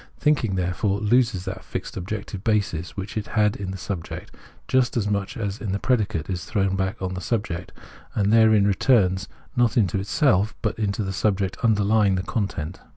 Thinking therefore loses that fixed objective basis which it had in the subject, just as much as in the predicate it is thrown back on the subject, and therein returns not into itself but into the subject underlying the content.